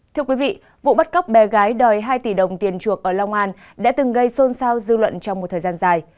thưa quý vị vụ bắt cóc bé gái đòi hai tỷ đồng tiền chuộc ở long an đã từng gây xôn xao dư luận trong một thời gian dài